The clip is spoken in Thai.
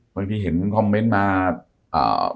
กว่าที่พี่เห็นคอมเม้นท์มาเอ่อ